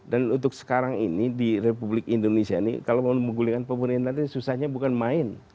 dan untuk sekarang ini di republik indonesia ini kalau mau menggulingan pemerintahan ini susahnya bukan main